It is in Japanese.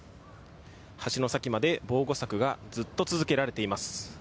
橋の先まで防護柵がずっと続けられています。